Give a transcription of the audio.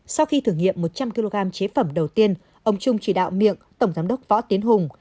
sau khi thử nghiệm một trăm linh kg chế phẩm đầu tiên ông trung chỉ đạo miệng tổng giám đốc võ tiến hùng